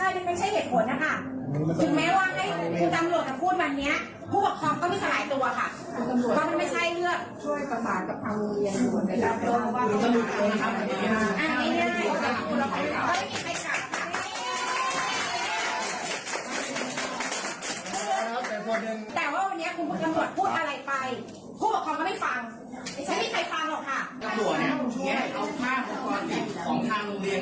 แต่ว่าวันนี้คุณบุคคลยังพูดอะไรไปผู้ประคองก็ไม่ฟังฉันไม่มีใครฟังหรอกค่ะ